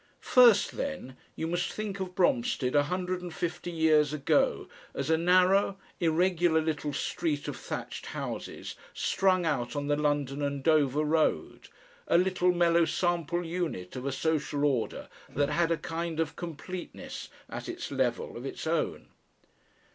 First, then, you must think of Bromstead a hundred and fifty years ago, as a narrow irregular little street of thatched houses strung out on the London and Dover Road, a little mellow sample unit of a social order that had a kind of completeness, at its level, of its own.